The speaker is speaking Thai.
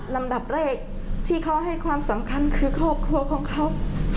ลำดับแรกที่เขาให้ความสำคัญคือครอบครัวของเขา